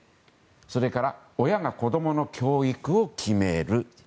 それから親が子供の教育を決める。